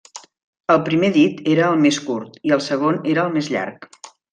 El primer dit era el més curt, i el segon era el més llarg.